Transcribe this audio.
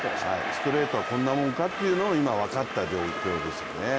ストレートはこんなもんかというのを今、分かった状況ですよね。